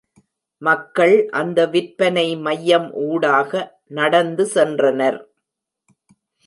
மக்கள் அந்த விற்பனை மையம் ஊடாக நடந்து சென்றனர்.